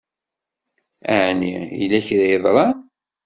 Ɛni yella kra i yeḍṛan?